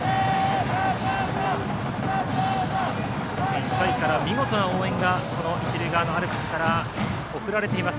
１回から見事な応援が一塁側アルプスから送られています。